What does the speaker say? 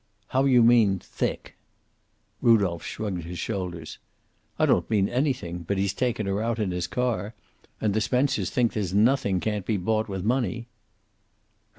"How you mean thick?" Rudolph shrugged his shoulders. "I don't mean anything. But he's taken her out in his car. And the Spencers think there's nothing can't be bought with money."